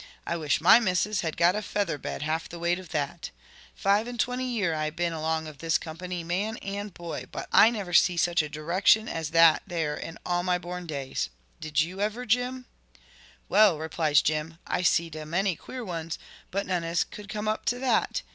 I wish my missus had got a featherbed half the weight of that. Five and twenty year I've been along of this company, man and boy, but I never see such a direction as that there in all my born days. Did ever you, Jim?" "Well," replies Jim, "I've seed a many queer ones, but none as could come up to that.